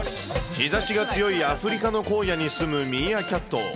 日ざしが強いアフリカの荒野に住むミーアキャット。